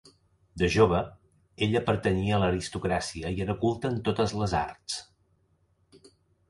De jove, ella pertanyia a l'aristocràcia i era culta en totes les arts.